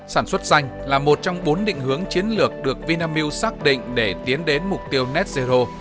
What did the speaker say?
sản xuất xanh là một trong bốn định hướng chiến lược được vinamil xác định để tiến đến mục tiêu netzero